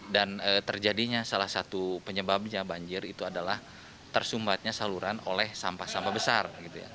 terjadinya salah satu penyebabnya banjir itu adalah tersumbatnya saluran oleh sampah sampah besar